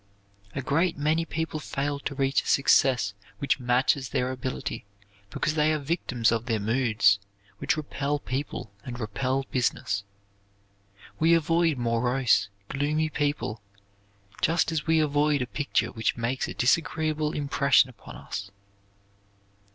A great many people fail to reach a success which matches their ability because they are victims of their moods, which repel people and repel business. We avoid morose, gloomy people just as we avoid a picture which makes a disagreeable impression upon us.